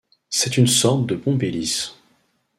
C'est une sorte de pompe-hélice.